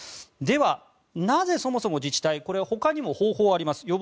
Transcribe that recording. では、なぜそもそも自治体これはほかにも方法があります。